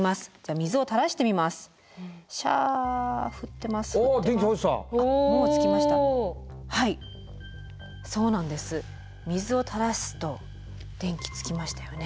水をたらすと電気つきましたよね。